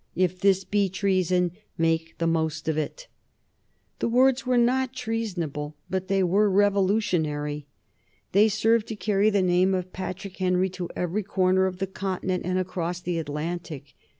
If this be treason, make the most of it." The words were not treasonable, but they were revolutionary. They served to carry the name of Patrick Henry to every corner of the continent and across the Atlantic.